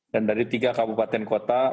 dan dari tiga kabupaten kota